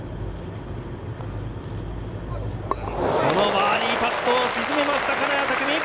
このバーディーパットを沈めました、金谷拓実。